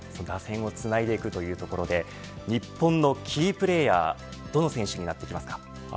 打線をつないでいくということで日本のキープレーヤーはどの選手になってきますか。